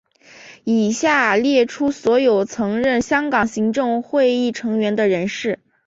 以下列出所有曾任香港行政会议成员的人士。